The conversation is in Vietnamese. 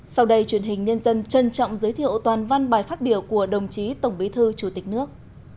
sau đây truyền hình nhân dân trân trọng giới thiệu toàn văn bài phát biểu của đồng chí tổng bí thư chủ tịch nước